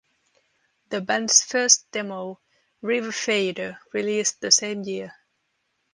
The band's first demo, "Rivfader", released the same year.